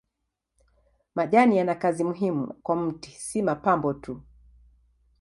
Majani yana kazi muhimu kwa mti si mapambo tu.